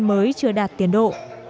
mới chưa đạt tiến độ